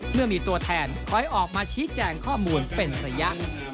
เมื่อมีตัวแทนคอยออกมาชี้แจงข้อมูลเป็นระยะ